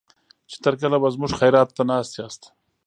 چې تر کله به زموږ خيرات ته ناست ياست.